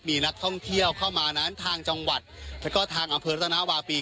มีนักท่องเที่ยวเข้ามานั้นทางจังหวัดแล้วก็ทางอำเภอรัตนาวาปี